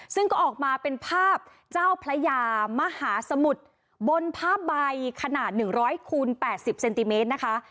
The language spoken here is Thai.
ซึ่งก็ออกมาเป็นภาพเจ้าพระยามหาสมุทรบนผ้าใบขนาด๑๐๐คูณ๘๐เซนติเมตรนะคะ